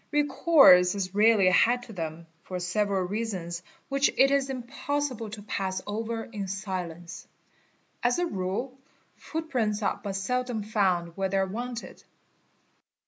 Kecourse is rarely had to them, for several " reasons which it is impossible to pass over in silence. As a rule, foot prints are but seldom found where they are wanted.